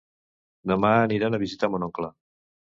Demà aniran a visitar mon oncle.